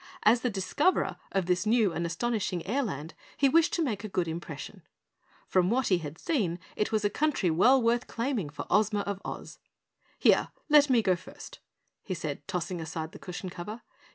As the discoverer of this new and astonishing airland, he wished to make a good impression. From what he had seen, it was a country well worth claiming for Ozma of Oz. "Here, let me go first," he said, tossing aside the cushion cover.